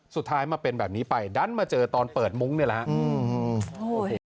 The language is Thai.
สุดท้ายมาเป็นแบบนี้ไปดันมาเจอตอนเปิดมุ้งนี่แหละครับ